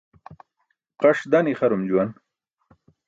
Qaṣ dan ixarum juwan.